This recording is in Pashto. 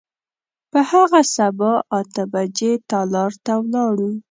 په هغه سبا اته بجې تالار ته ولاړو.